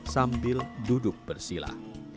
sambil duduk bersilah